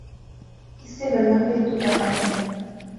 اسے گلاہ کہ تو پتہ وہے